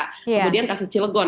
kemudian kasus cilegon